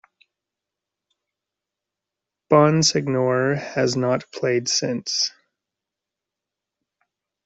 Bonsignore has not played since.